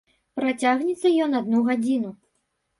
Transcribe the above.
Працягнецца ён адну гадзіну.